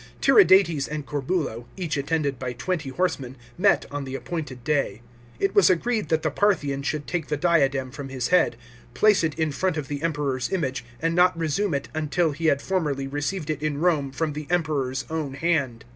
Tiridates and Corbulo, each attended by twenty horsemen, met on the appointed day. It was agreed that the Parthian should take the diadem from his head, place it in front of the Emperor's image, and not re sume it until he had formally received it in Rome from the Emperor's own hand.